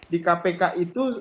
di kpk itu